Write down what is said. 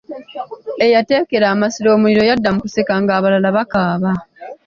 Eyateekera amasiro omuliro yadda mu kuseka ng'abalala bakaaba.